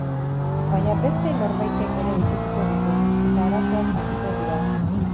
Baina beste norbaitek ere ikusiko ditu, eta arazoak hasiko dira.